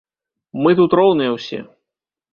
Мы тут роўныя ўсе!